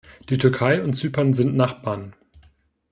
Die Türkei und Zypern sind Nachbarn.